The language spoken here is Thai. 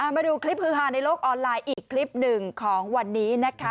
มาดูคลิปฮือฮาในโลกออนไลน์อีกคลิปหนึ่งของวันนี้นะคะ